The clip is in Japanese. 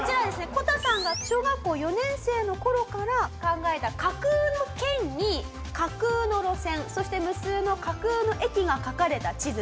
こたさんが小学校４年生の頃から考えた架空の県に架空の路線そして無数の架空の駅が描かれた地図です。